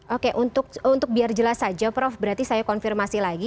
oke untuk biar jelas saja prof berarti saya konfirmasi lagi